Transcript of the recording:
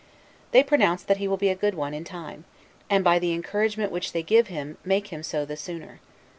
They pronounce that he will be a good one in time; and, by the encouragement which they give him, make him so the sooner.